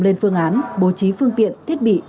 lên phương án bố trí phương tiện thiết bị